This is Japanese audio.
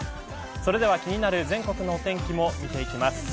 気になる全国のお天気も見ていきます。